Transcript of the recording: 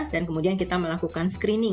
dan kemudian kita melakukan skandal